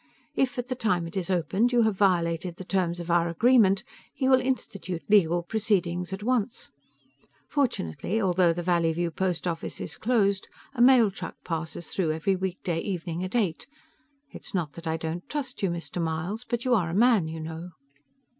If, at the time it is opened, you have violated the terms of our agreement, he will institute legal proceedings at once. Fortunately, although the Valleyview post office is closed, a mail truck passes through every weekday evening at eight. It's not that I don't trust you, Mr. Myles but you are a man, you know."